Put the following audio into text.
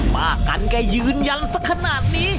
ป้ากันแกยืนยันสักขนาดนี้